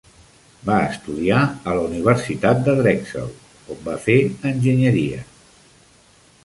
Va estudiar a la universitat de Drexel, on va fer enginyeria.